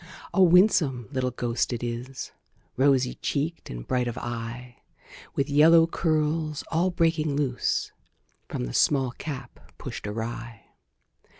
A winsome little ghost it is, Rosy cheeked, and bright of eye; With yellow curls all breaking loose From the small cap pushed awry.